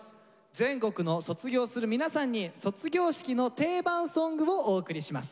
全国の卒業する皆さんに卒業式の定番ソングをお送りします。